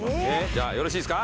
じゃあよろしいですか？